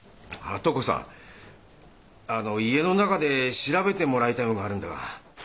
あぁトコさんあの家の中で調べてもらいたいもんがあるんだが。